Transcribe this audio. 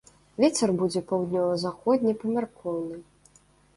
Вецер будзе паўднёва-заходні, памяркоўны.